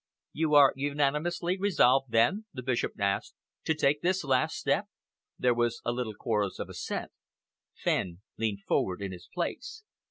"You are unanimously resolved, then," the Bishop asked, "to take this last step?" There was a little chorus of assent. Fenn leaned forward in his place.